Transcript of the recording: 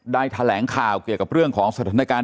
ได้แถลงข่าวก่รสถานการณ์ที่เกิดขึ้นวันนั้น